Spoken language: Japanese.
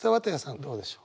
どうでしょう？